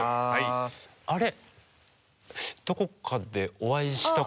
あれ？